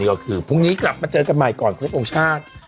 ก็คือพรุ่งนี้กลับมาเจอกันใหม่ก่อนครบทรงชาติ